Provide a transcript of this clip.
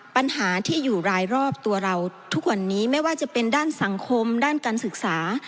ปัญหาที่อยู่รายรอบตัวเราทุกวันนี้ไม่ว่าจะเป็นด้านสังคมด้านการศึกษา